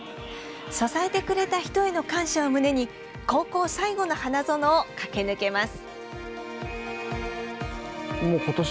支えてくれた人への感謝を胸に高校最後の花園を駆け抜けます。